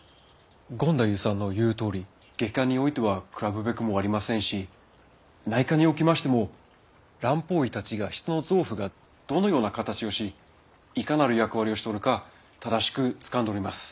権太夫さんの言うとおり外科においてはくらぶべくもありませんし内科におきましても蘭方医たちは人の臓腑がどのような形をしいかなる役割をしておるか正しくつかんでおります。